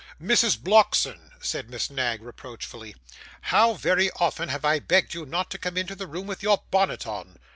'Mrs. Blockson,' said Miss Knag, reproachfully, 'how very often I have begged you not to come into the room with your bonnet on!